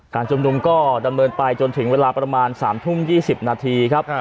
ชุมนุมก็ดำเนินไปจนถึงเวลาประมาณ๓ทุ่ม๒๐นาทีครับ